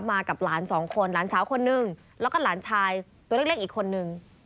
มากับหลานสองคนหลานสาวคนนึงแล้วก็หลานชายตัวเล็กอีกคนนึง